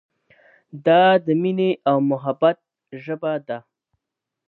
دا د مینې او محبت ژبه ده.